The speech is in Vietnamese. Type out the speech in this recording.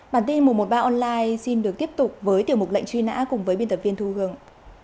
bản tin một trăm một mươi ba online xin được tiếp tục với tiểu mục lệnh truy nã cùng với biên tập viên thu hương